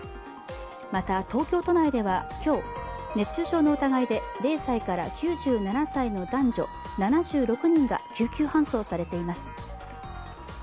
また、東京都内では今日、熱中症の疑いで０歳から９７歳の男女７６人が救急搬送されています。